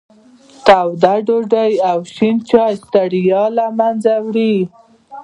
توده ډوډۍ او شین چای ستړیا له منځه وړي.